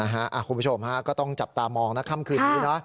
คุณผู้ชมครับก็ต้องจับตามองคำคืนนี้